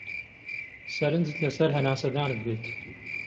سەرنجت لەسەر هەناسەدانت بێت.